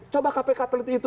coba kpk teliti itu